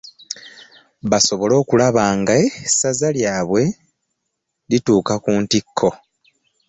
Basobole okulaba ng'essaza lyabwe lituuka ku ntikko